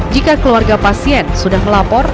jika keluarga pasien sudah melapor